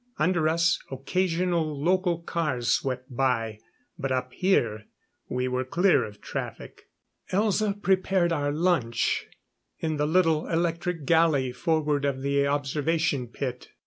Under us, occasional local cars swept by; but up here we were clear of traffic. Elza prepared our lunch, in the little electric galley forward of the observation pit.